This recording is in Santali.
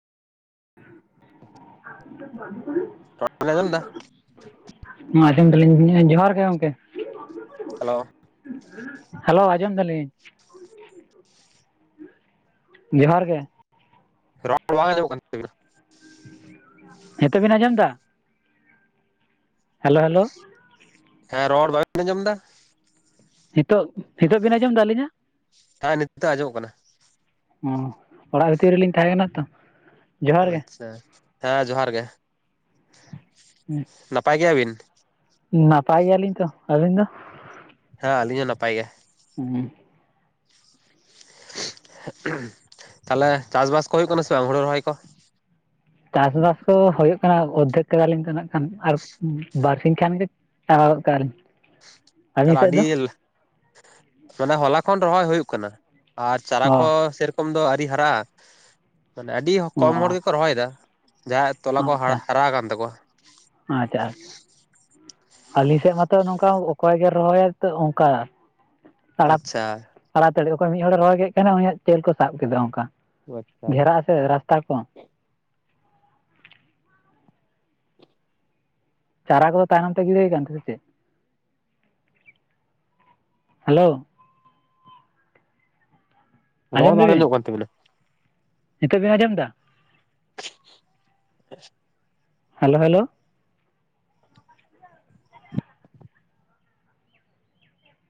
[inaudible] ᱵᱮᱱ ᱟᱸᱡᱚᱢ ᱮᱫᱟ [unintelligible] ᱟᱡᱚᱢ ᱫᱟᱞᱤᱧ ᱡᱚᱦᱟᱨ ᱜᱮ ᱜᱚᱝᱠᱮ᱾ ᱦᱮᱞᱳ [unintelligible] ᱦᱮᱞᱳ ᱟᱸᱡᱚᱢ ᱫᱟᱞᱤᱧ᱾ ᱡᱚᱦᱟᱨ ᱜᱮ᱾ ᱨᱚᱲ ᱵᱟᱝ ᱟᱡᱚᱢᱟᱜ ᱠᱟᱱ ᱛᱟᱵᱤᱱᱟ᱾ ᱦᱮᱸᱛᱚᱜ ᱵᱤᱱ ᱟᱸᱡᱚᱢ ᱫᱟ? ᱦᱮᱞᱳ ᱦᱮᱞᱳ ᱦᱮᱸ ᱨᱚᱲ ᱵᱟᱵᱮᱱ ᱟᱸᱡᱚᱢ ᱫᱟ᱾ ᱦᱤᱛᱚᱜ ᱦᱤᱛᱚᱜ ᱵᱤᱱ ᱟᱸᱡᱚᱢ ᱫᱟ ᱟᱞᱤᱧᱟ? ᱦᱮᱸ ᱱᱤᱛ ᱫᱚ ᱟᱸᱡᱚᱢᱚᱜ ᱠᱟᱱᱟ᱾ ᱚ ᱚᱲᱟᱜ ᱵᱷᱤᱛᱤᱨ ᱨᱮᱞᱤᱧ ᱛᱟᱦᱮᱸ ᱠᱟᱱᱟ ᱛᱚ᱾ ᱡᱚᱦᱟᱨ ᱜᱮ ᱟᱪᱪᱷᱟ ᱦᱮᱸ ᱡᱚᱦᱟᱨ ᱜᱮ᱾ ᱱᱟᱯᱟᱭ ᱜᱮᱭᱟ ᱵᱤᱱ? ᱱᱟᱯᱟᱭ ᱜᱮᱭᱟᱞᱤᱧ ᱛᱚ᱾ ᱟᱹᱵᱤᱱ ᱫᱚ? ᱦᱮᱸ ᱟᱹᱞᱤᱧ ᱦᱚᱸ ᱱᱟᱯᱟᱭ ᱜᱮ᱾ ᱦᱩᱸ [unintelligible] ᱛᱟᱦᱚᱞᱮ ᱪᱟᱥᱵᱟᱥ ᱠᱚ ᱦᱩᱭᱩᱜ ᱠᱟᱱᱟ ᱥᱮ ᱵᱟᱝ ᱦᱩᱲᱩ ᱨᱚᱦᱚᱭ ᱠᱚ? ᱪᱟᱥᱵᱟᱥ ᱠᱚ ᱦᱩᱭᱩᱜ ᱠᱟᱱᱟ ᱚᱫᱫᱷᱮᱠ ᱠᱮᱫᱟᱞᱤᱧ ᱛᱚ ᱱᱟᱜ ᱠᱷᱟᱱ ᱟᱨ ᱵᱟᱨᱥᱤᱧ ᱠᱷᱟᱱ ᱜᱮ ᱟᱣᱠᱟᱨ ᱛᱟᱦᱞᱮ ᱟᱹᱰᱤ ᱢᱟᱱᱮ ᱦᱚᱞᱟ ᱠᱷᱚᱱ ᱨᱚᱦᱚᱭ ᱦᱩᱭᱩᱜ ᱠᱟᱱᱟ᱾ ᱟᱨ ᱪᱟᱨᱟ ᱚ ᱠᱚ ᱥᱮᱨᱚᱠᱚᱢ ᱫᱚ ᱟᱣᱨᱤ ᱦᱟᱨᱟᱜᱼᱟ, ᱢᱟᱱᱮ ᱟᱰᱤ ᱚ ᱠᱚᱢ ᱦᱚᱲ ᱜᱮᱠᱚ ᱨᱚᱦᱚᱭᱫᱟ᱾ ᱡᱟᱦᱟᱸᱭᱟᱜ ᱛᱚᱞᱟ ᱠᱚ ᱦᱟ ᱟᱪᱪᱷᱟ ᱦᱟᱨᱟ ᱟᱠᱟᱱ ᱛᱟᱠᱚᱣᱟ᱾ ᱟᱪᱪᱷᱟ ᱟᱨ ᱟᱹᱞᱤᱧ ᱥᱮᱫ ᱢᱟᱛᱚ ᱱᱚᱝᱠᱟ ᱚᱠᱚᱭ ᱜᱮ ᱨᱚᱦᱚᱭᱟ ᱛᱚ ᱚᱱᱠᱟ ᱛᱟᱲᱟᱜ ᱟᱪᱪᱷᱟ ᱛᱟᱲᱟᱛᱟᱲᱤ ᱚᱠᱚᱭ ᱢᱤᱫ ᱦᱚᱲᱮ ᱨᱚᱦᱚᱭ ᱠᱮᱫ ᱠᱷᱟᱱ ᱩᱱᱤᱭᱟᱜ ᱪᱟᱹᱞ ᱠᱚ ᱥᱟᱵ ᱠᱮᱫᱟ ᱚᱱᱠᱟ ᱟᱪᱪᱷᱟ ᱜᱷᱮᱨᱟ ᱮᱥᱮᱫ ᱨᱟᱥᱛᱟ ᱠᱚ᱾ ᱪᱟᱨᱟ ᱠᱚᱫᱚ ᱛᱟᱭᱱᱚᱢ ᱛᱮ ᱜᱤᱲᱤ ᱦᱳᱭ ᱠᱟᱱ ᱛᱮ ᱥᱮᱪᱮᱫ? ᱦᱮᱞᱳ ᱨᱚᱲ ᱟᱸᱡᱚᱢ ᱵᱟᱝ ᱫᱟᱵᱤᱱ ᱟᱸᱡᱚᱢᱚᱜ ᱠᱟᱱ ᱛᱟᱵᱤᱱᱟ᱾ ᱱᱤᱛᱚᱜ ᱵᱮᱱ ᱟᱸᱡᱚᱢ ᱫᱟ? [unintelligible] Hello hello